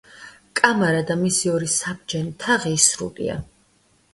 კამარა და მისი ორი საბჯენი თაღი ისრულია.